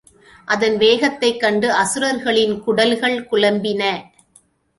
அதன் வேகத்தைக் கண்டு அசுரர்களின் குடல்கள் குழம்பின.